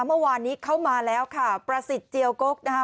เมื่อวานนี้เข้ามาแล้วค่ะประสิทธิ์เจียวกกนะคะ